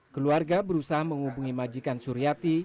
keluarga berusaha menghubungi majikan suryati